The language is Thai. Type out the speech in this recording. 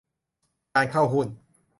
การเข้าหุ้น